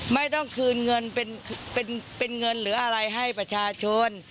ไม่ต้องคืนเงินเป็นเงินหรืออะไรให้ประชาชน